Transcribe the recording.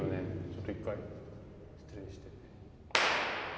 ちょっと一回失礼して。